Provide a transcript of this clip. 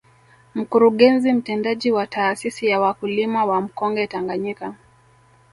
Mkurugenzi Mtendaji wa taasisi ya wakulima wa mkonge Tanganyika